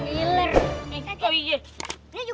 ini gara gara gak konsentrasi